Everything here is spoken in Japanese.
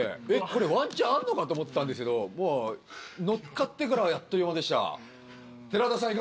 これワンチャンあんのかと思ってたんですけどもうのっかってからあっという間でした寺田さん